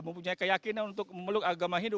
mempunyai keyakinan untuk memeluk agama hindu